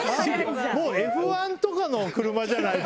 Ｆ１とかの車じゃないと。